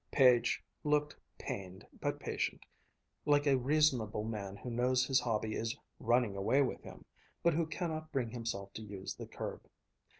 Page looked pained but patient, like a reasonable man who knows his hobby is running away with him, but who cannot bring himself to use the curb.